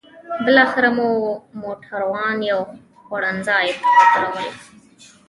بالاخره مو موټران یو خوړنځای ته ودرول.